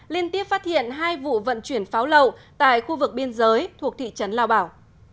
liên tiếp phát hiện hai vụ vận chuyển pháo lậu tại khu vực biên giới thuộc thị trấn lao bảo